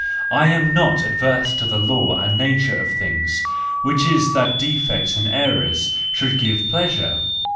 I am not averse to the law and nature of things* which is that defects and errors should give pleasure!